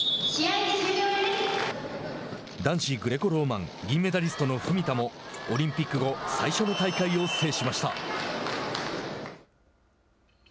男子グレコローマン銀メダリストの文田もオリンピック後最初の大会を制しました。